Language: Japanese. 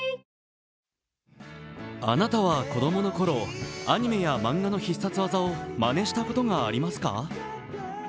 あなたは子供の頃、アニメや漫画の必殺技をまねしたことがありますか？